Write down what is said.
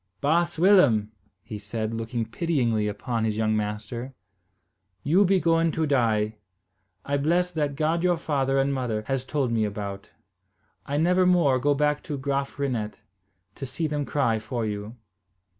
"Baas Willem," he said, looking pityingly upon his young master, "you be going to die. I bless that God your father and mother has told me about. I never more go back to Graaf Reinet, to see them cry for you."